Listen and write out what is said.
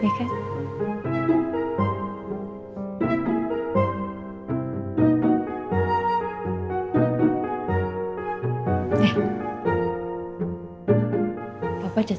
bukan bapak bapak waktu